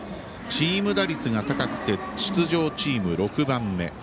チーム打率が高くて出場チーム６番目。